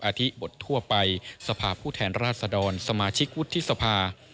อาทิบททั่วไปสภาพผู้แทนราชดรสมาชิกวุฒิสภา